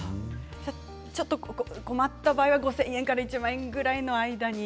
ちょっと困った場合は５０００円から１万円くらいの間に。